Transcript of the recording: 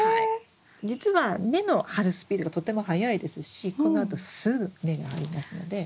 じつは根の張るスピードがとても速いですしこのあとすぐ根が張りますので大丈夫です。